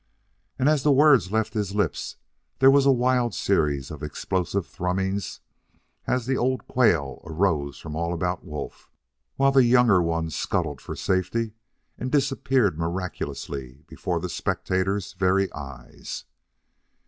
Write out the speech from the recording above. And as the words left his lips there was a wild series of explosive thrumming as the old quail arose from all about Wolf, while the young ones scuttled for safety and disappeared miraculously before the spectators' very eyes.